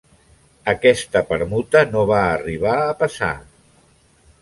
Aquesta permuta no va arribar a passar.